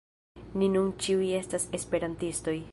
Ni nun ĉiuj estas esperantistoj!